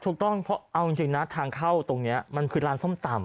ถูกต้องเพราะเอาจริงนะทางเข้าตรงนี้มันคือร้านส้มตำ